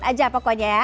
set aja pokoknya ya